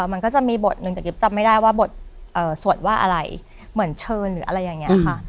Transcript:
มันก็จะมีบทหนึ่งแต่กิ๊บจำไม่ได้ว่าบทสวดว่าอะไรเหมือนเชิญหรืออะไรอย่างนี้ค่ะ